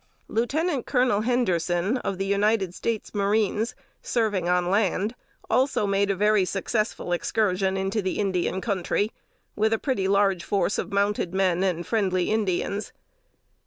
Lieut. Colonel Henderson, of the United States Marines, serving on land, also made a very successful excursion into the Indian Country, with a pretty large force of mounted men and friendly Indians.